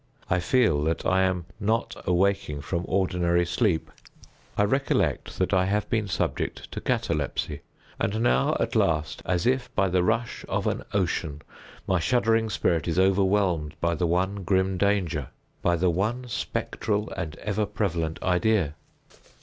I feel that I am not awaking from ordinary sleep. I recollect that I have been subject to catalepsy. And now, at last, as if by the rush of an ocean, my shuddering spirit is overwhelmed by the one grim Danger—by the one spectral and ever prevalent idea.